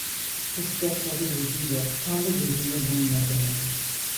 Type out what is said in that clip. Sıska, sarı yüzüyle kanlı gözünün önüne geldi.